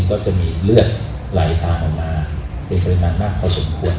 ก็จะมีเลือดไหลตามออกมาเป็นปริมาณมากพอสมควร